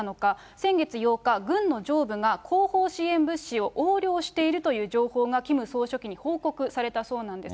先月８日、軍の上部が後方支援物資を横領しているという情報がキム総書記に報告されたそうなんです。